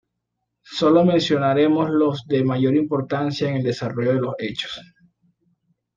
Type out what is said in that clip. Solo mencionaremos los de mayor importancia en el desarrollo de los hechos.